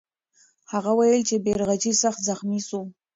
هغه وویل چې بیرغچی سخت زخمي سو.